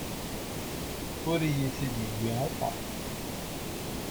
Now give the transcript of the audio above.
Ur iyi-t-id-yuwi ara.